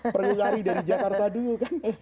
perlu lari dari jakarta dulu kan